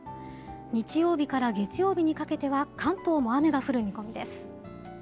日曜日から月曜日にかけては関東も雨が降る見込みです。